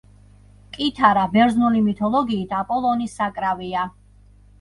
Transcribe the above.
კითარა, ბერძნული მითოლოგიით აპოლონის საკრავია.